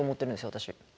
私。